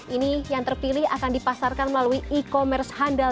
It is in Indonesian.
ini yang terpilih akan dipasarkan melalui e commerce handal